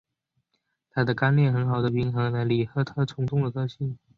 她的干练很好地平衡了里赫特冲动的个性。